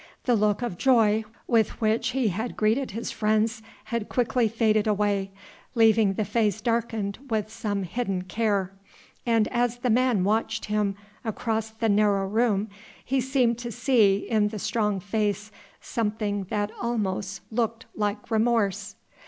The look of joy with which he had greeted his friends had quickly faded away, leaving the face darkened with some hidden care; and as the man watched him across the narrow room, he seemed to see in the strong face something that almost looked like remorse.